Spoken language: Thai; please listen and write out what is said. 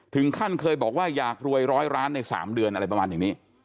ถึงขั้นเคยบอกว่าอยากรวยร้อยล้านใน๓เดือนอะไรประมาณอย่างนี้